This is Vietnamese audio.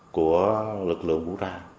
của lực lượng vũ trang